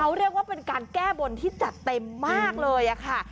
เขาเรียกว่าเป็นการแก้บนที่จัดเต็มมากเลยค่ะ